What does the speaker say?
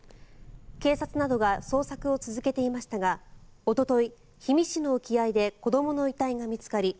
警察などが捜索を続けていましたがおととい、氷見市の沖合で子どもの遺体が見つかり